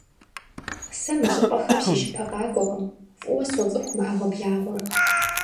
Сэ мы щӀыпӀэхэм си щыпэ къакӀуэкъым, фӀыуэ соцӀыху мы Ӏэгъуэблагъэр.